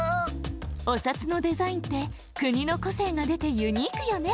お札のデザインってくにのこせいがでてユニークよね。